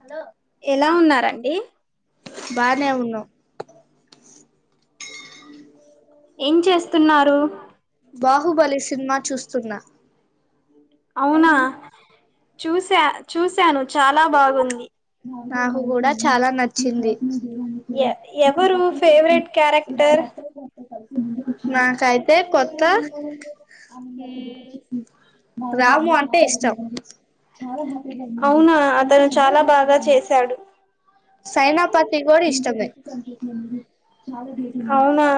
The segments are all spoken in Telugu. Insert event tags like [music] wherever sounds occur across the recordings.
హలో ఎలా ఉన్నారండి బానే ఉన్న బాహుబలి సినిమా చూస్తున్నా అవునా చూస్యా చూస్యాను చాలా బాగుంది యా ఎవరు ఫేవరెట్ క్యారెక్టర్ టర్ మా కైతే చొప్ కా అవును [unintelligible] అవునా అతను చాలా బాగా చేసాడు సైనాపతి గూడ ఇష్టమే అవునా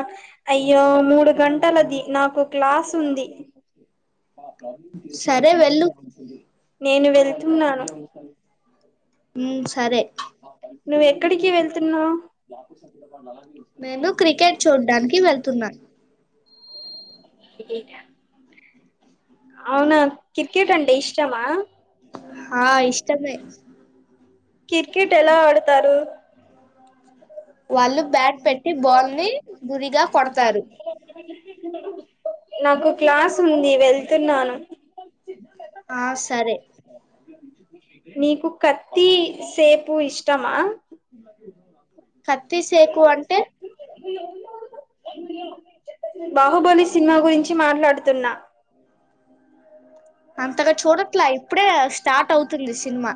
అయ్యో మూడు గంట్ టల్ అది నాకు క్లాస్ ఉంది నేను వెళ్తున్నాను నువ్వు ఎక్కడికి వెళ్తున్నావ్ నేను క్రికెట్ చూడ్డానికి వెళ్తున్నా అవునా క్రికెట్ అంటే ఇష్టమా ఆ ఇష్టమే క్రికెట్ ఎలా ఆడతారు వాళ్ళు బ్యాట్ పెట్టి బాల్ ని ఇలా కొడతారు నాకు క్లాస్ ఉంది వెళ్తున్నాను ఆ సరే నీకు కత్తి సేకు ఇష్టమా కత్తిసేకు అంటే బాహుబలి సినిమా గురించి మాట్లాడుతున్నా అంతగా చూడట్లా ఇప్పుడే స్టార్ట్ అవుతుంది సినిమా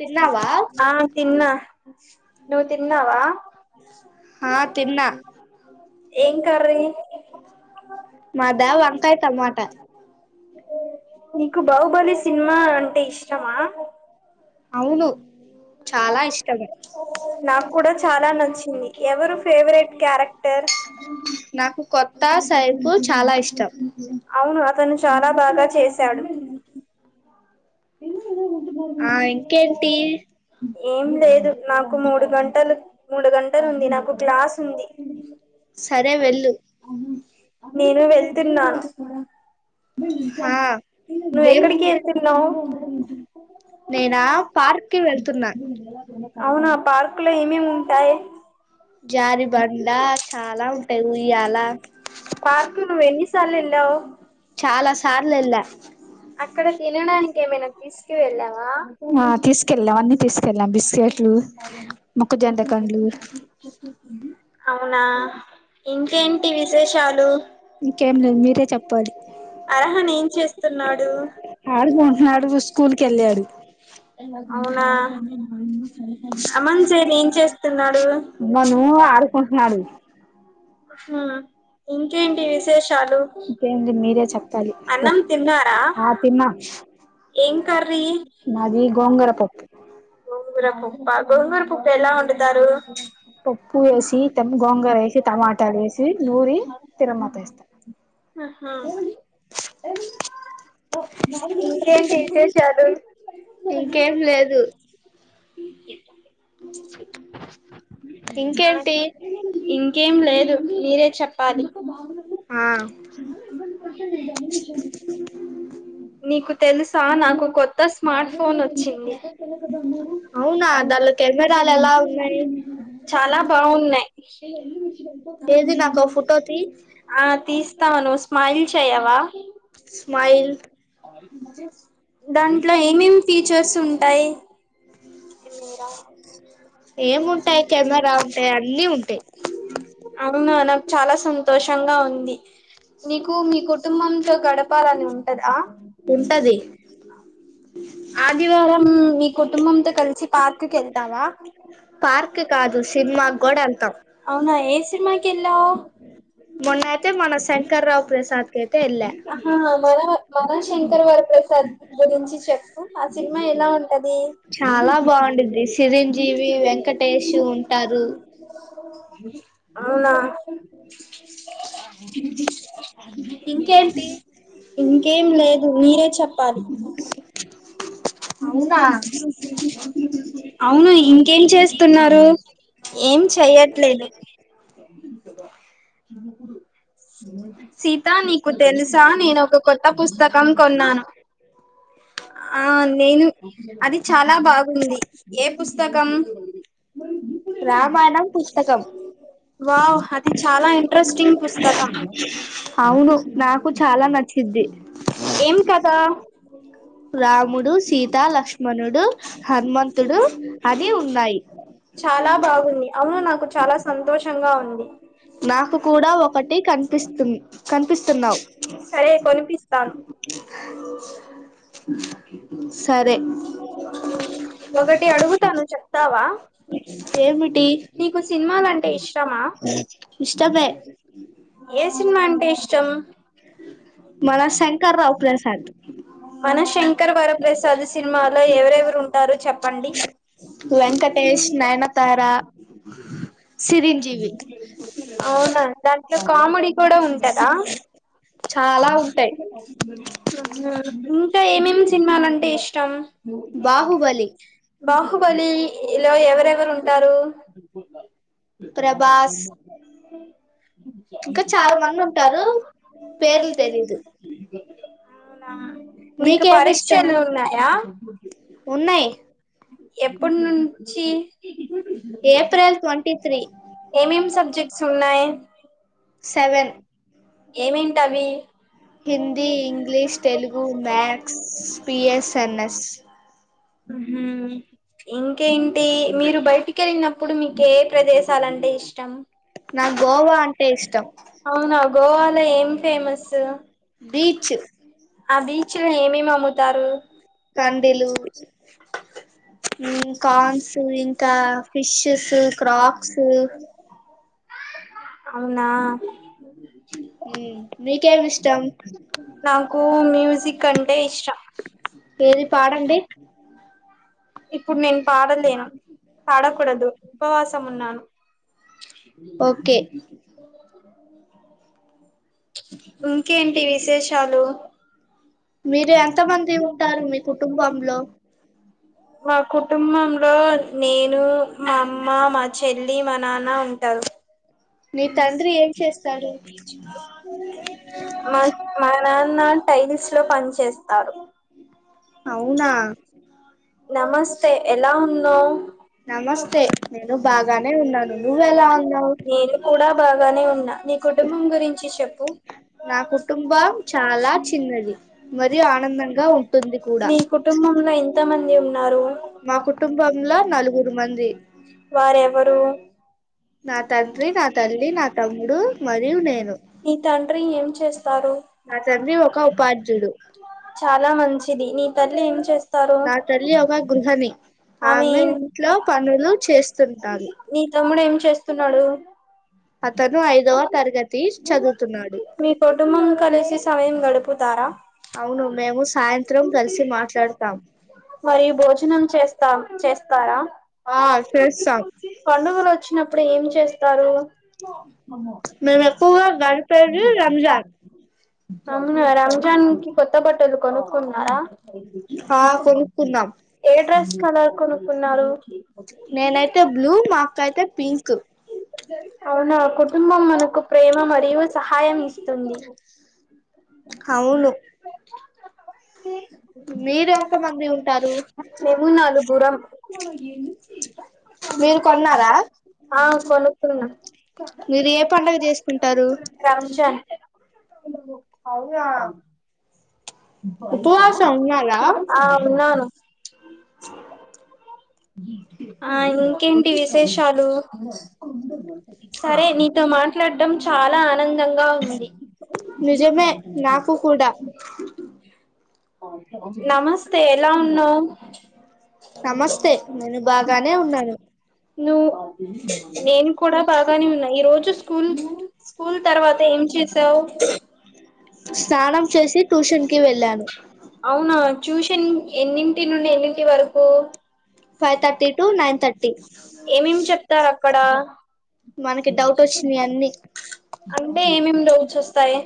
తిన్నావా ఆ తిన్న నువ్వు తిన్నావా ఆ తిన్నా ఏం కర్రీ మాదా వంకాయ టమాట నీకు బాహుబలి సినిమా అంటే ఇష్టమా అవును చాలా ఇష్టం నాకు కూడా చాలా నచ్చింది ఎవరు ఫేవరెట్ క్యారె క్టర్ నాకు [unintelligible] చాలా ఇష్టం అవును అతను చాలా బాగా చేశాడు ఉమ్ ఇంకేంటి ఏం లేదు నాకు మూడు గంటలు మూడు గంటలు ఉంది నాకు క్లాస్ ఉంది సరే వెళ్ళు నేను వెళ్తున్నా ఆ వెళ్తున్నా నువ్వు ఎక్కడికి వెళ్తున్నావ్ నేనా పార్క్ కి వెళ్తున్నాను అవునా పార్క్ లో ఏమేమీ ఉంటాయ్ జారిబండా చాలా ఉంటాయ్ ఉయ్యాల పార్కు నువ్వు ఎన్నిసార్లు ఏళ్ళావ్ అక్కడ తినడానికి ఏమైనా తీసు కు వెళ్ళావా అవునా ఇంకేంటి విశేషాలు అర్హన్ ఏం చేస్తున్నాడు కెళ్ళాడు అవునా అమన్ సేబ్ ఏం చేస్తున్నాడు ఆడుకుంటున్నాడు హ్మ్ ఇంకేంటి విశేషాలు అన్నం తిన్నారా ఏం కర్రీ నాది గోంగూర పప్పు గోంగురపప్పా గోంగూరపుప్పు ఎలా వండుతారు పప్పు వేసి గొంగుర వేసి టమాటాలు వేసి నూరి ఉహూ ఇంకేంటి విశేషాలు ఇంకేం లేదు ఇంకేంటి ఇంకేం లేదు మీరే చెప్పాలి ఆ నీకు తెలుసా నాకు కొత్త స్మార్ట్ ఫోన్ వచ్చింది అవునా దాంట్లో కెమెరాలు ఎలా ఉన్నాయ్ చాలా బాగున్నాయ్ ఆ తీస్తాను మైల్ చేయవా దాంట్లో ఏమేమి ఫీచర్స్ ఉంటాయి కొత్తిమీర ఏముంటాయో తెల్వదా అమ్మి ఇవే వుంటయ్ అవునా నాకు చాలా సంతోషంగా ఉంది నీకు మీ కుటుంబంతో గడపాలని ఉంటదా ఉంటది అ ఆదివారం మీ కుటుంబంతో కలిసి పార్క్కు కు వెళ్తావా అవునా ఏ సినిమాకెళ్లావ్ మొన్న అయితే మన శంకర మన శంకర వర ప్ర ప్రసాద్ గురించి చెప్పు ఆ సినిమా ఎలా ఉంటది చాలా బాగుంటుద్ది చిరంజీవి వెంకటేష్ ఉంటారు అవునా ఇంకేంటి ఇంకేం లేదు మీరే చెప్పాలి అవునా అవును ఇంకేం చేస్తున్నారు ఏం చెయట్లేదు సీత నీకు తెలుసా నేను ఒక కొత్త పుస్తకం కొన్నాను ఆ నేను అది చాలా బాగుంది ఏ పుస్తకం వావ్ అది చాలా ఇంట్రెస్టింగ్ పుస్ స్తకం ఏం కథ రాముడు సీత లక్ష్మణుడు హనుమంతుడు అని ఉన్నాయ్ చాలా బాగుంది అవును నాకు చాలా సంతోషంగా ఉంది నాకు కూడా ఒకటి కనిపిస్తు కనిపిస్తున్నావు సరే ఒకటి అడుగుతాను చెప్తావా ఏమిటీ నీకు సినిమాలంటే ఇష్టమా ఇష్టమే ఏ సినిమా అంటే ఇష్టం మన శంక వర ప్రసాద్ మన శంకర వర ప్రసాదు సినిమాలో ఎవరెవరు ఉంటారు చెప్పండి వెంకటేేష్ నయనతార అవున దాంట్లో కామెడీ కూడా ఉంటదా చాలా ఉంటాయి హుహు ఇంకా ఏమేమి సినిమాలంటే అంటే ఇష్టం బాహుబలి బాహుబలి లో ఎవరెవరు ఉంటారు ప్రభాస్ ఇంకా చాలా మంది ఉంటారు పేర్లు తేలీదు అవునా నీకు పరీక్షలు ఉన్నాయా ఉన్నాయి ఎప్పటి నుంచి ఏప్రిల్ టోంటి సెక ఏమేమ్ సబ్జెక్ట్స్ ఉన్నాయి సెవెన్ ఏమేంటి అవి హిందీ ఫిజిక్స్ మ్యాసు హుహు ఇంకేంటి మీరు బయటిక వెళ్ళినప్పుడు మీకు ఏ ఏ ప్రదేశాలంటే ఇష్టం నాకు గోవా అంటే ఇష్టం అవునా గోవాలో ఏం ఫేమసు బీచ్ ఆ బీచ్ లో ఏమేమి అమ్ము తారు కండీలు [unintelligible] అవునా మీకేం ఇష్టం. నాకు మ్యూజిక్ అంటే ఇష్ట ఏది పాడండి. ఇప్పుడ్ నేను పాడలేను పాడకూడదు ఉపవాసం ఉన్నాను. ఓకే [inaudible] మీరు ఎంత మంది ఉంటారు మీ కుటుంబంలో మా కుటుంబంలో నేను మా అమ్మ, మా చెల్లి, మా నాన్న ఉంటారు. మీ తండ్రి ఏం చేస్తాడు? టైల్స్లో పన్ చేస్తారు. అవునా నమస్తే ఎలా ఉన్నావు? నమస్తే నేను బాగానే ఉన్నాను. నువ్వెలా ఉన్నావ్? కూడా బాగానే ఉన్నా. నీ కుటుంబం గురించి చెప్పు నా కుటుంబం చాలా చిన్ ఆనందంగా ఉంటుంది. మీ కుటుంబంలో ఎంత మం మా కుటుంబంలో నలుగురు మంది నా తండ్రి, నా తల్లి, నా తమ్ముడు మరియు నేను నీ తండ్రి ఏం చేస్తారు? నా తండ్రి ఒక ఉపాధ్యుడు. తరు అది నీ తమ్ముడు ఏం చేస్తున్నాడు. మీ కుటుంబం కలసి సమయం గడుపుతారా మరియు భోజనం చేస్తాం చేస్తారా పండుగలో వచ్చినప్పుడు ఏం చేస్తారు? రం రంజాన్కి కొత్త బట్టలు కొనుక్కున్నారా? ఏ డ్రెస్ కలర్ కొనుక్కున్నారు? నేనైతే బ్లూ, మా అక్క అయితే పింక్ అవునా కుటుంబం మనకు ప్రేమ మరియు స సాయమిస్తుంది. మేము నలుగురం. ఆ కొనుకున్నా ఇది ఏ పండగ రంజాన్ అవునా ఆ ఉన్నాను. ఆ ఇంకేంటి విశేషాలు సరే నీతో మాట్లాడ్డం చాలా ఆనందంగా ఉంది. నిజమే నాకు కూడా నమస్తే ఎలా ఉన్నావు? నమస్తే నేను బాగానే ఉన్నాను. నేను కూడా బాగానే ఉన్నా. ఈ రోజు స్కూల్ స్కూల్ తర్వాత ఏం చేసావ్ స్నానం చేసి ట్యూష అవునా ట్యూషన్ ఎన్నింటి నుండి ఎన్నింటి వరకు five thirty to nine thirty ఏమేం చెప్తార్ అక్కడా అంటే ఏమేం డౌట్స్ వస్తాయి.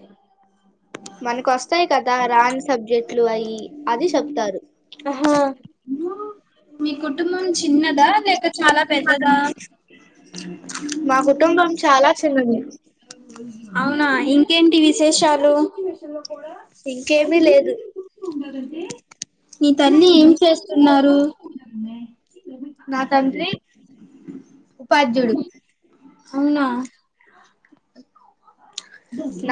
మనకొస్తాయి కదా రాన్ సబ్జెక్టులు అయి అది చెప్తారు. మీ కుటుంబం చిన్నదా లేక చాలా పెద్దదా మా కుటుంబం చాలా చిన్నది అవున ఇంకేంటి విశేషాలు ఇంకేమి లేదు నీ తల్లి ఏం చేస్తున్నారు నా తండ్రీ ఉపాధ్యాయుడు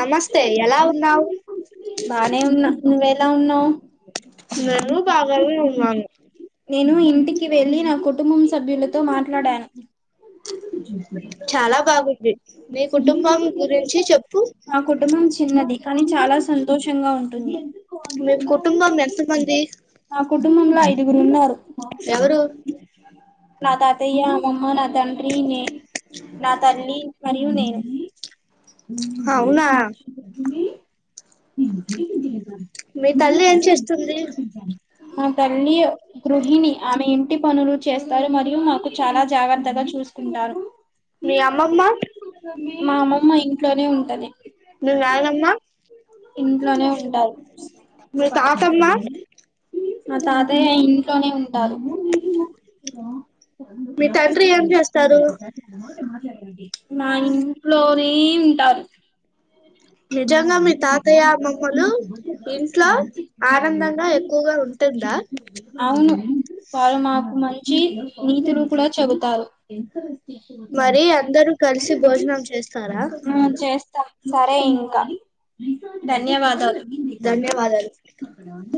నమస్తే ఎలా ఉన్నావు నిను బాగానే ఉన్నాను నేను ఇంటికి వెళ్ళి నా కుటుంబం సభ్యులతో మాట్లాడా చాలా బాగుంది మీ కుటుంబం గురించి చెప్పు చిన్నది కానీ చాలా సంతోషంగా ఉంటుంది మీ కుటుంబం ఎంత నా కుటుంబంలో ఐదుగురు ఉన్నారు నా తాతయ్య అమ్మమ్మ నా తమ్ము నినే నా తల్లి మరియు నినే అవున మీ తల్లి ఏం చేస్తుంది మా తల్లి గృహిణి ఆమె ఇంటి పనులు చేస్తారు మరియు మాకు చాలా జాగ్రత్తగా చూ చూసుకుంటారు మా అమ్మమ్మ ఇంట్లోనే ఉంటాది మీ నానమ్మా ఇంట్లోనే ఉంటారు మా తాతయ్య ఇంట్లోనే ఉంటారు మీ తండ్రి ఏం చేస్తారు అన్నా మా ఇంట్లోనే ఉంటారు నిజంగా మీ తాతయ్య నాన్నలు ఇంట్లో అలోచనలు ఎక్కువగా ఉంటన్నయా అవును వారు మాకు మంచి నీతులు కూడా చెబుతారు మరి అందరు మ్మ్ చేస్తా సరే ఇంకా ధన్యవాదాలు